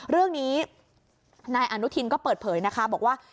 เรื่องนี้นายอนุทินก็เปิดเผยนะคะบอกว่า